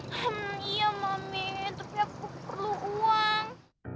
hmm iya mami tapi aku perlu uang